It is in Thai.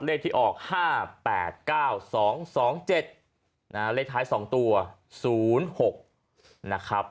เลขที่ออกห้าแปดเก้าสองสองเจ็ดนะฮะเลขท้ายสองตัวศูนย์หกนะครับ